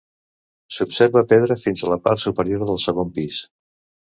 S'observa pedra fins a la part superior del segon pis.